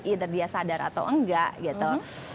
either dia sadar atau enggak gitu